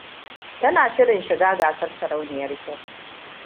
Tana shirin shiga gasar sarauniyar kyau.